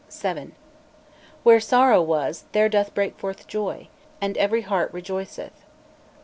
"VII. Where sorrow was, there doth break forth joy and every heart rejoiceth.